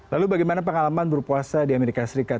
lalu bagaimana pengalaman berpuasa di amerika serikat